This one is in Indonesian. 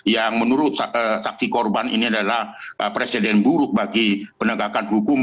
yang menurut saksi korban ini adalah presiden buruk bagi penegakan hukum